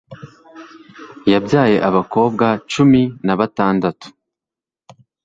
yabyaye abakobwa cumi na batandatu